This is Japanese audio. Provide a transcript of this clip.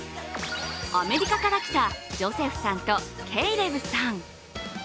アメリカから来たジョセフさんと、ケイレブさん。